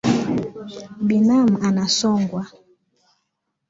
Binamu anasongwa